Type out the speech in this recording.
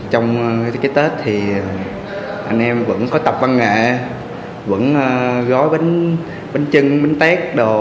trong cái tết thì anh em vẫn có tập văn nghệ vẫn gói bánh trưng bánh tét đồ